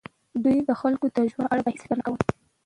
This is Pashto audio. دوی د خلکو د ژوند په اړه بېڅ فکر نه کوي.